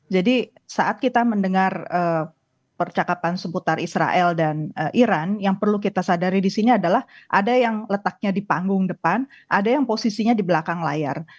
jadi saat kita mendengar percakapan seputar israel dan iran yang perlu kita sadari di sini adalah ada yang letaknya di panggung depan ada yang posisinya di belakang layar